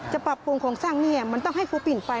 จะปรับโพงสร้างนี้มันต้องให้ครูปิ่นไป